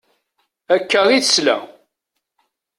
Akka i tesla.